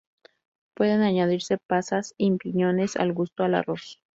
Pueden añadirse pasas y piñones al gusto al arroz.